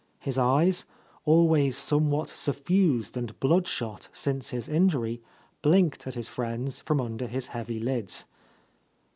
His eyes, always some what suffused and bloodshot since his injury, blinked at his friends from under his heavy lids.